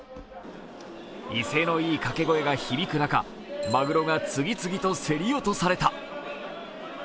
威勢のいいかけ声が響く中、マグロが次々と競り落とされた。